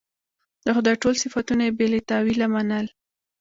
د خدای ټول صفتونه یې بې له تأویله منل.